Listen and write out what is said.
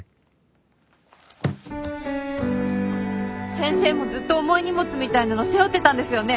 先生もずっと重い荷物みたいなの背負ってたんですよね？